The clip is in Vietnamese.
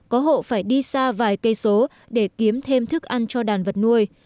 có hộ phải đi xa vài cây số để kiếm thêm thức ăn cho đàn vật nuôi